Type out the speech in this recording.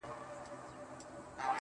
هر انسان د خوښۍ حق لري.